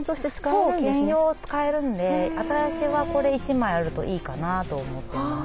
そう兼用使えるんで私はこれ１枚あるといいかなと思ってます。